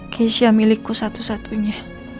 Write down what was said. gesya milikku satu satunya